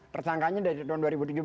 persangkanya dari tahun dua ribu tiga belas